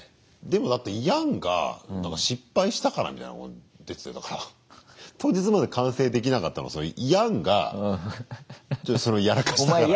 でもだってヤンが失敗したからみたいなこと出てたから当日まで完成できなかったのはヤンがそれをやらかしたから。